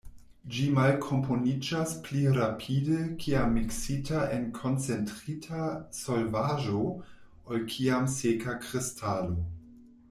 Ĝi malkomponiĝas pli rapide kiam miksita en koncentrita solvaĵo ol kiam seka kristalo.